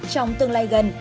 trong tương lai gần